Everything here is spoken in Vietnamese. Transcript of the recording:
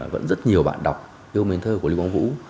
vẫn rất nhiều bạn đọc yêu mến thơ của lưu quang vũ